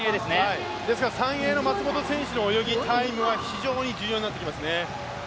ですから３泳の松元選手の泳ぎ、タイムは非常に大事になってきますね。